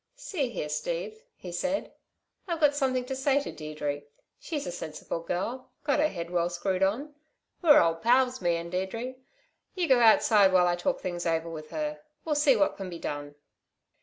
"See here, Steve," he said. "I've got something to say to Deirdre. She's a sensible girl, got her head well screwed on. We're old pals, me 'n Deirdre. You go outside while I talk things over with her. We'll see what can be done."